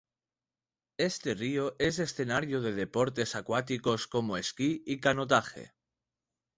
Este río es escenario de deportes acuáticos como esquí y canotaje.